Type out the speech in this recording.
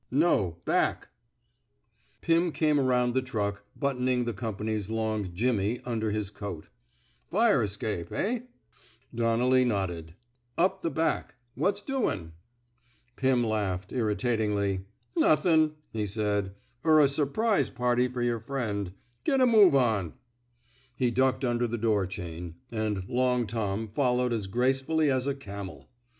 " ^*No; back." Pim came around the truck, buttoning the company's long jimmy " under his coat. Fire escape, ehl " 70 ON CIECUMSTANTIAL EVIDENCE Donnelly nodded. Up the back. What's doin'? '' Pirn laughed, irritatingly. NuthinV' he said, er a su 'prise party fer yer friend. Get a move on." He ducked under the door chain, and *' Long Tom " followed as gracefully as a camel.